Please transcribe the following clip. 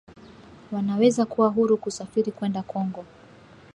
wanaweza kuwa huru kusafiri kwenda Kongo